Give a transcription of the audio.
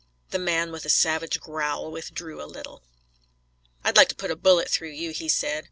The man, with a savage growl, withdrew a little. "I'd like to put a bullet through you," he said.